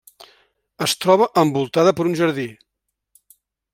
Es troba envoltada per un jardí.